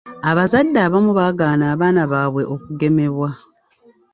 Abazadde abamu baagaana abaana baabwe okugemebwa.